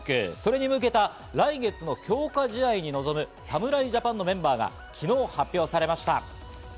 それに向けた来月の強化試合に臨む侍ジャパンのメンバーが昨日発表されました。